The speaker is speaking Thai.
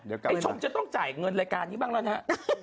ไอ้ชมจะต้องจ่ายเงินรายการนี้บ้างแล้วนะฮะ